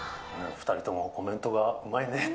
２人ともコメントがうまいね。